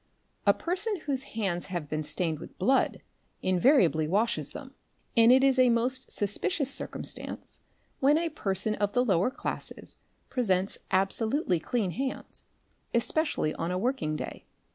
A person whose hands have been stained with blood, invariably washes them, and it isa most suspicious circumstance when a person of the lower classes presents absolutely clean hands, especially on a working day.